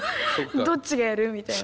どっちがやる？みたいな。